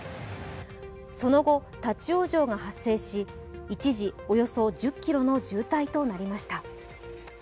その後、立ち往生が発生し、一時およそ１０ｋｍの渋滞となりました。